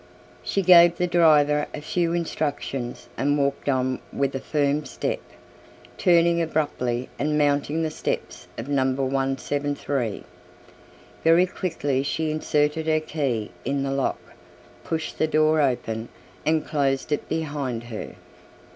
She gave the driver a few instructions and walked on with a firm step, turning abruptly and mounting the steps of Number 173. Very quickly she inserted her key in the lock, pushed the door open and closed it behind her.